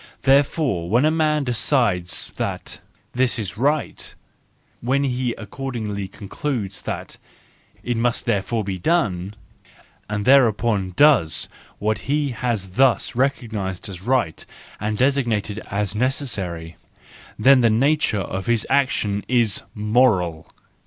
Therefore, when a man decides that 4 this is right / when he accordingly concludes that 4 it must there¬ fore be donel and thereupon does what he has thus recognised as right and designated as necessary— then the nature of his action is moral!"